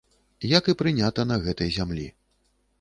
Як і прынята на гэтай зямлі.